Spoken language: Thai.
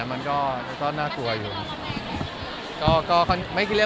มันก็หน้ากลัวมันอยู่